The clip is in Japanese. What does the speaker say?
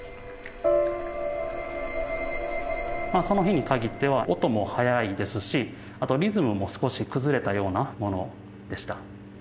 その日にかぎっては音も早いですしリズムも少し崩れたようなものでした。